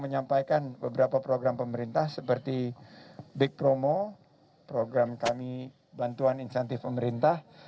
menyampaikan beberapa program pemerintah seperti big promo program kami bantuan insentif pemerintah